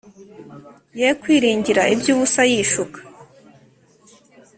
ye kwiringira iby’ubusa yishuka